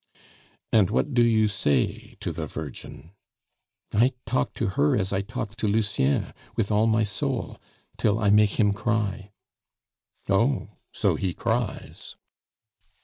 "And what do you say to the Virgin?" "I talk to her as I talk to Lucien, with all my soul, till I make him cry." "Oh, so he cries?"